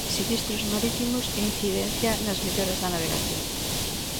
Sinistros marítimos e incidencia nas melloras da navegación.